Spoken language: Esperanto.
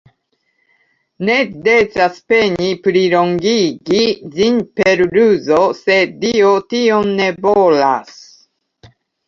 Ne decas peni plilongigi ĝin per ruzo, se Dio tion ne volas!